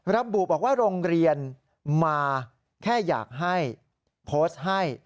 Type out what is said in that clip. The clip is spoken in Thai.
ระบุบอกว่าโรงเรียนมาแค่อยากให้โพสต์ให้